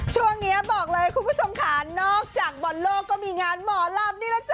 ช่วงนี้บอกเลยคุณผู้ชมค่ะนอกจากบอลโลกก็มีงานหมอลำนี่แหละจ้